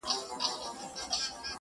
مور له خلکو شرم احساسوي او ځان پټوي,